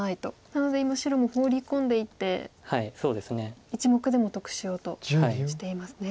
なので今白もホウリ込んでいって１目でも得しようとしていますね。